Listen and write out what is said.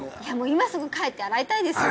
今すぐ帰って洗いたいですよ